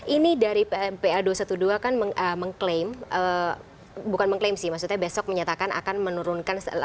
ini dari pa dua ratus dua belas kan mengklaim bukan mengklaim sih maksudnya besok menyatakan akan menurunkan